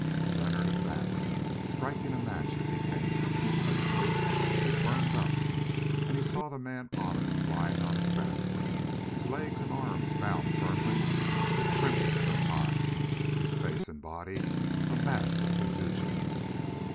Leonard advanced, striking a match as he came. Presently it burned up, and he saw the man Otter lying on his back, his legs and arms bound firmly with rimpis of hide, his face and body a mass of contusions.